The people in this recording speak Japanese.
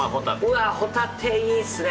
うわ、ホタテいいっすね。